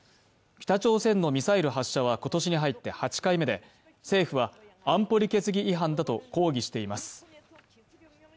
北朝鮮のミサイル発射は今年に入って８回目で政府は安保理決議違反だと抗議しています。